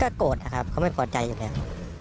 ก็โกรธนะครับเขาไม่พอใจอยู่แล้ว